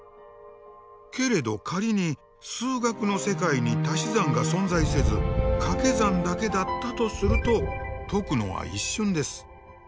けれど仮に数学の世界にたし算が存在せずかけ算だけだったとすると解くのは一瞬です。